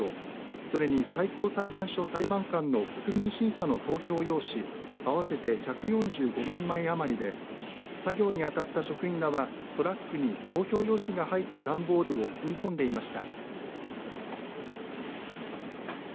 それに、最高裁判所裁判官の国民審査の投票用紙、合わせて１４５万枚余りで作業にあたった職員らはトラックに投票用紙が入った段ボールを積み込んでいました。